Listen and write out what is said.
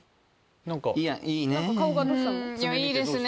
いやいいですね